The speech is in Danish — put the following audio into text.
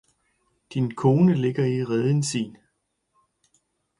Din kone ligger i reden sin